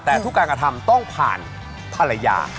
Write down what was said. แต่ทุกการกระทำต้องผ่านภรรยา